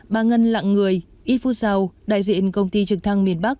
bà ngân lạng người ít phút sau đại diện công ty trực thăng miền bắc